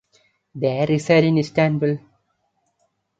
They reside in Istanbul.